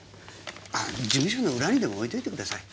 事務所の裏にでも置いといてください。